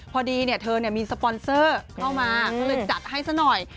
พอดีเธอมีสปอนเซอร์เข้ามาก็เลยจัดให้ซะหน่อย